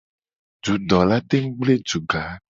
Dudo la tengu gble duga.